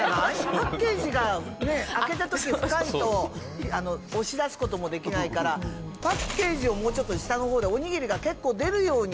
パッケージが開けた時深いと押し出す事もできないからパッケージをもうちょっと下の方でおにぎりが結構出るように。